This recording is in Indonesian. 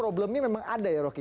problemnya memang ada ya rocky